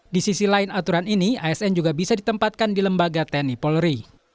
di sisi lain aturan ini asn juga bisa ditempatkan di lembaga tni polri